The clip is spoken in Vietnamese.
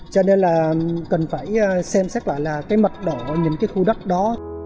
cho nên là cần phải xem xét lại là cái mật độ những cái khu đất đó